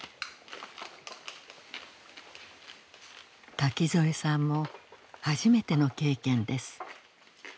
垣添さんも初めての経験です。